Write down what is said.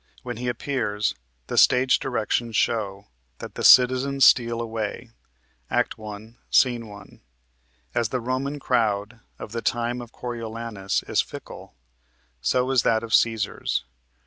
When he appears, the stage directions show that the "citizens steal away." (Act 1, Sc. 1.) As the Roman crowd of the time of Coriolanus is fickle, so is that of Cæsar's.